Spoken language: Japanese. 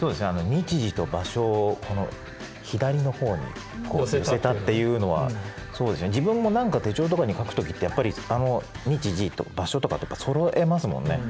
日時と場所を左の方に寄せたっていうのは自分も何か手帳とかに書く時ってやっぱり日時と場所とかって揃えますもんね